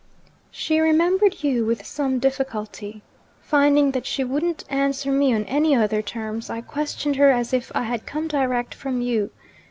'She remembered you with some difficulty. Finding that she wouldn't answer me on any other terms, I questioned her as if I had come direct from you.